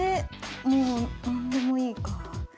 もう何でもいいか。